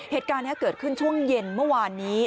เหตุการณ์นี้เกิดขึ้นช่วงเย็นเมื่อวานนี้